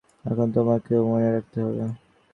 এখন তোমাকেও মনে রাখতে হবে।